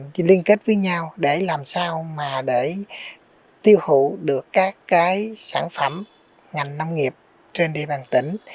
thì liên kết với nhau để làm sao mà để tiêu hữu được các cái sản phẩm ngành nông nghiệp trên địa bàn tỉnh